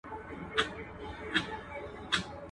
د فصل خوار يم، د اصل خوار نه يم.